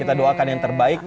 kita doakan yang terbaik